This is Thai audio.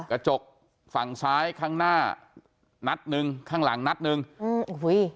กระจกฝั่งซ้ายข้างหน้านัดหนึ่งข้างหลังนัดหนึ่งอืมโอ้โห